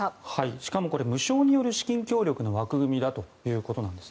しかも無償による資金協力の枠組みだということなんです。